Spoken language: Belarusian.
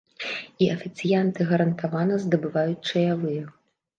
І афіцыянты гарантавана здабываюць чаявыя.